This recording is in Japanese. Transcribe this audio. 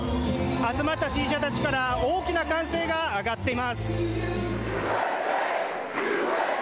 集まった支持者たちから大きな歓声が上がっています。